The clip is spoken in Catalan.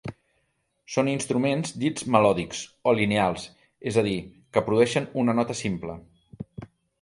Són instruments dits melòdics o lineals, és a dir que produeixen una nota simple.